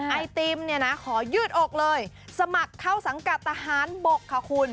ไอติมเนี่ยนะขอยืดอกเลยสมัครเข้าสังกัดทหารบกค่ะคุณ